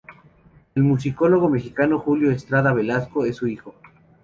El musicólogo mexicano Julio Estrada Velasco es hijo suyo.